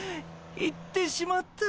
行ってしまった。